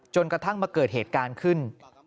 กระทั่งมาเกิดเหตุการณ์ขึ้น